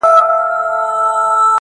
ما خپل پښتون او خپل ياغي ضمير كي.